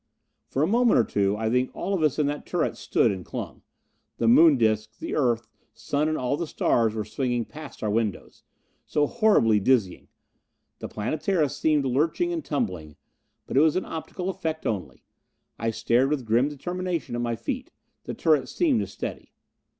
For a moment or two I think all of us in that turret stood and clung. The Moon disc, the Earth, Sun and all the stars were swinging past our windows. So horribly dizzying. The Planetara seemed lurching and tumbling. But it was an optical effect only. I stared with grim determination at my feet. The turret seemed to steady.